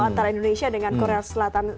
antara indonesia dengan korea selatan